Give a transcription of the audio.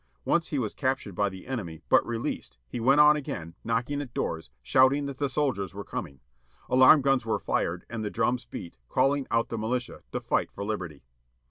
Once he was captured by the enemy, but released, he went on again, knocking at doors, shouting that the soldiers were coming. Alarm gtms were fired, and the drums beat, calling out the militia â to fight for liberty.